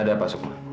ada apa sukma